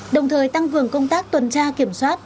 đồng thời tăng cường công tác tuần tra kiểm soát